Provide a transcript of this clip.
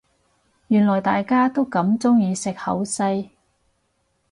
原來大家都咁鍾意食好西